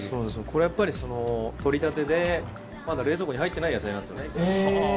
これやっぱり取りたてでまだ冷蔵庫に入ってない野菜なんですよね。